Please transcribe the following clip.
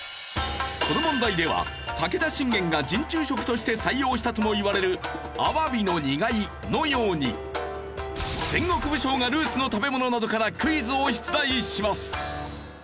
この問題では武田信玄が陣中食として採用したともいわれるあわびの煮貝のように戦国武将がルーツの食べ物などからクイズを出題します。